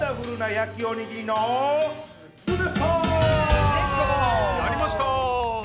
やりました！